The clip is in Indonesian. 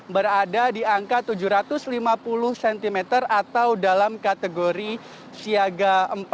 berada di angka tujuh ratus lima puluh cm atau dalam kategori siaga empat